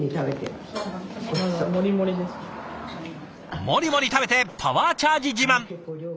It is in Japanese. モリモリ食べてパワーチャージ自慢。